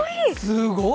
すごい！